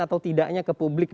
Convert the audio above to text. atau tidaknya ke publik